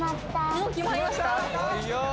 もう決まりました？